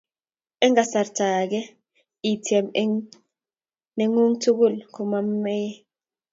eng kasrta age itiem eng' nengung tugul komayemei